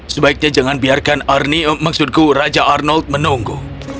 sebaiknya jangan biarkan arnie maksudku raja arnold menunggu